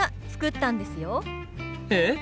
えっ？